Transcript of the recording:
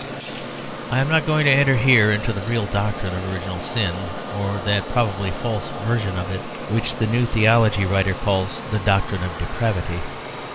I am not going to enter here into the real doctrine of original sin, or into that probably false version of it which the New Theology writer calls the doctrine of depravity.